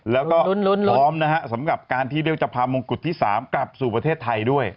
แล้วก็พร้อมนะฮะสำหรับการที่เรียกว่าจะพามงกุฎที่๓กลับสู่ประเทศไทยด้วย